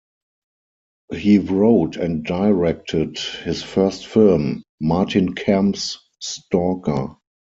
He wrote and directed his first film, "Martin Kemp's Stalker".